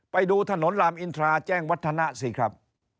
ไปดูถนนรามอินทราแจ้งวัฒนะสิครับ